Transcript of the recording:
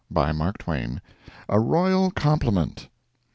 BY MARK TWAIN. A ROYAL COMPLIMENT.